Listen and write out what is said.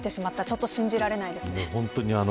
ちょっと信じられないですね。